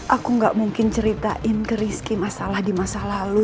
aku gak mungkin ceritain ke rizki masalah di masa lalu